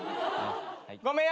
ごめん。